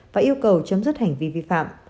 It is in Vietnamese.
và yêu cầu chấm dứt hành vi vi phạm